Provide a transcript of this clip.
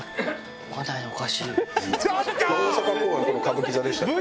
大阪公演今度歌舞伎座でしたっけ？